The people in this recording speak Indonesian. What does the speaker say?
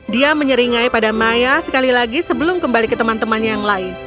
dia menyeringai pada maya sekali lagi sebelum kembali ke teman temannya yang lain